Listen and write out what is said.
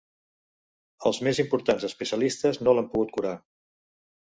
Els més importants especialistes no l'han pogut curar.